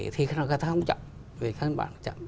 thì người ta không chậm